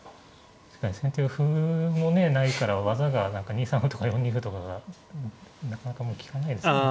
確かに先手は歩もねないから技が何か２三歩とか４二歩とかがなかなかもう利かないですよね。